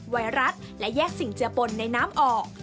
ไวรัสและแยกสิ่งเจือปนในน้ำออก